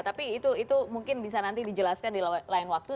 tapi itu mungkin bisa nanti dijelaskan di lain waktu